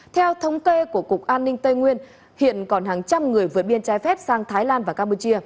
theo thống kê của cục an ninh tây nguyên hiện còn hàng trăm người vượt biên trái phép sang thái lan và campuchia